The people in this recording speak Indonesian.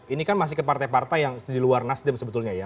ini kan masih ke partai partai yang di luar nasdem sebetulnya ya